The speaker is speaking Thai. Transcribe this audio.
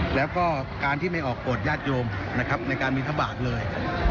แล้วก็การที่ไม่ออกโกรธญาติโยมในการมีทะบากเลย